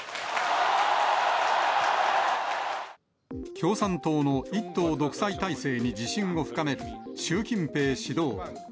共産党の一党独裁体制に自信を深める習近平指導部。